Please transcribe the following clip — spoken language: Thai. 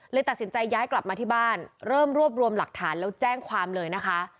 ตัดสินใจย้ายกลับมาที่บ้านเริ่มรวบรวมหลักฐานแล้วแจ้งความเลยนะคะ